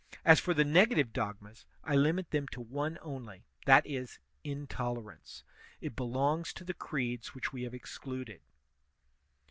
As for the negative dogmas, I limit them to one only, that is, intolerance; it belongs to the creeds which we have excluded.